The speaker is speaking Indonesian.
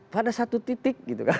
pada satu titik gitu kan